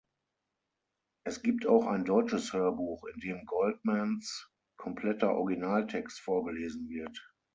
Es gibt auch ein deutsches Hörbuch, in dem Goldmans kompletter Originaltext vorgelesen wird.